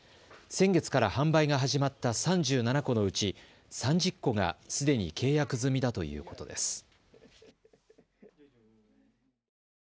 先月から販売が始まった３７戸のうち３０戸がすでに契約済みだということです。